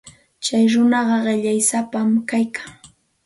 Tsay runaqa qillaysapam kaykan.